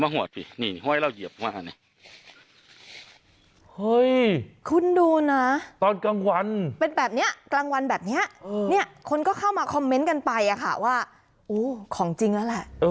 คุณดูนะตอนกลางวันเป็นแบบนี้กลางวันแบบนี้เนี่ยคนก็เข้ามาคอมเมนต์กันไปอะค่ะว่าโอ้ของจริงแล้วแหละ